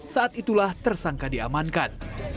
saat itulah tersangka diamankan